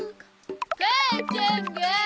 「母ちゃんが」